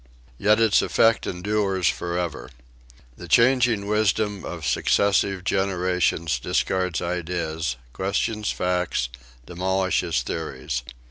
Yet its effect endures forever. The changing wisdom of successive generations discards ideas, questions facts, demolishes theories.